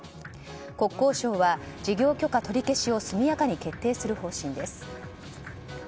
国交省は、事業許可取り消しを速やかに決定する方針です。